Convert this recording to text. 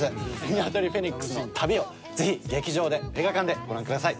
『ニワトリ☆フェニックス』の旅をぜひ劇場で映画館でご覧ください。